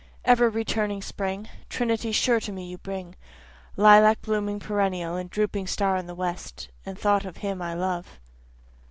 Ever returning spring, trinity sure to me you bring, Lilac blooming perennial and drooping star in the west, And thought of him I love.